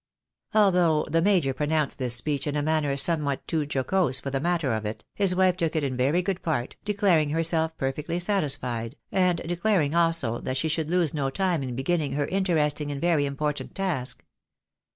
Although the majo" TM ^nnnrinpfl this sneech in a manner some eUOTEiiOIJY FAMOUS. 53 what too jocose for the matter of it, his wife took it in very good part, declaring herself perfectly satisfied, and declaring also that she should loSe no time in beginning her interesting and very im portant task.